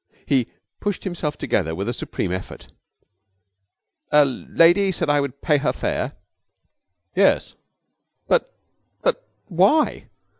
He pushed himself together with a supreme effort. 'A lady said I would pay her fare?' 'Yes.' 'But but why?'